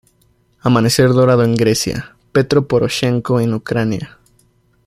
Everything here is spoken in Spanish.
Amanecer Dorado en Grecia, Petró Poroshenko en Ucrania.